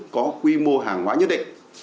có quy mô hàng hóa nhất định